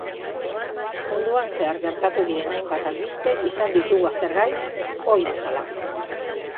Munduan zehar gertatu diren hainbat albiste izan ditugu aztergai, ohi bezala.